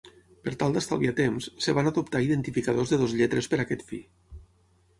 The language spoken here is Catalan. Per tal d'estalviar temps, es van adoptar identificadors de dues lletres per a aquest fi.